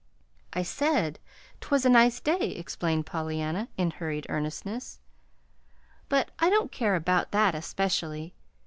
"I said 'twas a nice day," explained Pollyanna in hurried earnestness; "but I don't care about that especially.